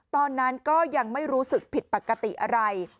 ตอนนั้นก็ยังไม่รู้สึกผิดปกติอะไร